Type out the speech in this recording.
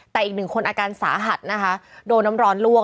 แต่อีกหนึ่งคนอาการสาหัสนะคะโดนน้ำร้อนลวก